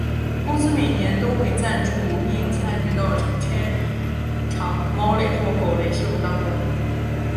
公司每年都会赞助并参与到成千场猫类或狗类秀当中。